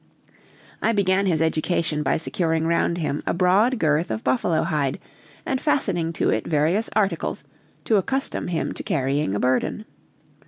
I began his education by securing round him a broad girth of buffalo hide and fastening to it various articles, to accustom him to carrying a burden.